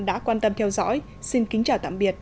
đã quan tâm theo dõi xin kính chào tạm biệt